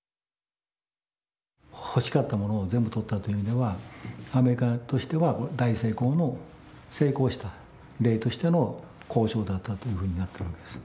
欲しかったものを全部取ったという意味ではアメリカとしては大成功の成功した例としての交渉だったというふうになってるわけです。